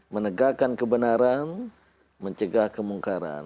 menegakkan kebenaran mencegah kemungkaran